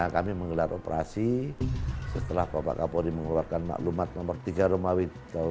kami menggelar operasi setelah bapak kapolri mengeluarkan maklumat nomor tiga romawi dua ribu dua puluh